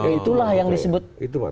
itulah yang disebut